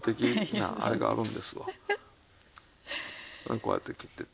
こうやって切っていって。